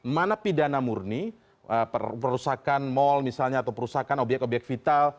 mana pidana murni perusahaan mal misalnya atau perusahaan obyek obyek vital